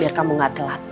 biar kamu gak telat